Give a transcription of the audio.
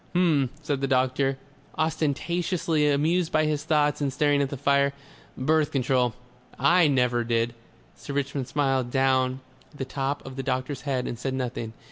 "H'm," said the doctor, ostentatiously amused by his thoughts and staring at the fire. "Birth Control! I NEVER did." Sir Richmond smiled down on the top of the doctor's head and said nothing.